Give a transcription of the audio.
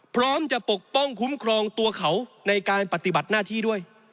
พร้อมจะปกป้องคุ้มครองตัวเขาในการปฏิบัติหน้าที่ด้วย